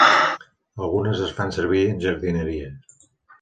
Algunes es fan servir en jardineria.